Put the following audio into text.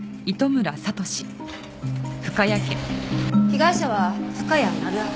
被害者は深谷成章。